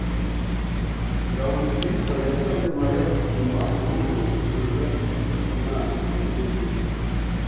Ngabonziza yasabye Mariya kuguma mu rugo kugeza igihe umwana yagezeyo.